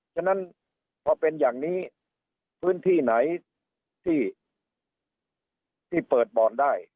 ฉะนั้นพอเป็นอย่างนี้พื้นที่ไหนที่เปิดบ่อนได้